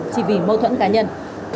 chỉ vì mâu thuẫn cá nhân